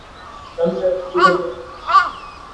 namna ya kupika viazi lishe